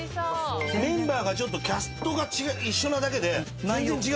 メンバーがちょっとキャストが一緒なだけで全然違う！